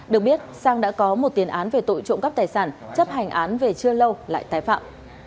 được biết sang đã có một tiền án về tội trộm cắp tài sản chấp hành án về chưa lâu lại tái phạm